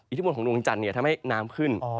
ทบนของดวงจันทร์ทำให้น้ำขึ้น